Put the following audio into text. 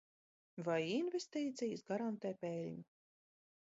Vai investīcijas garantē peļņu?